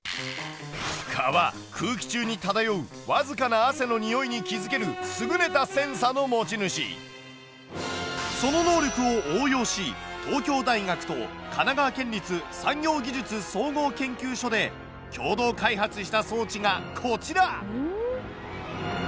蚊は空気中に漂うわずかなその能力を応用し東京大学と神奈川県立産業技術総合研究所で共同開発した装置がこちら！